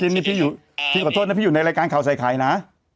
กินนี่พี่หยุดนะพี่หยุดในรายการเขาไซคัยนะ